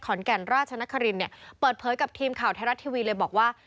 แก่นราชนครินเนี่ยเปิดเผยกับทีมข่าวไทยรัฐทีวีเลยบอกว่า